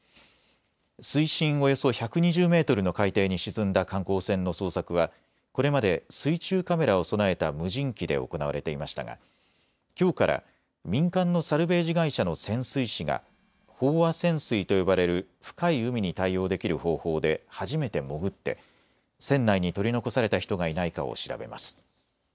水深およそ１２０メートルの海底に沈んだ観光船の捜索はこれまで水中カメラを備えた無人機で行われていましたがきょうから民間のサルベージ会社の潜水士が飽和潜水と呼ばれる深い海に対応できる方法で初めて潜って船内に取り残された人がいないかを調べます。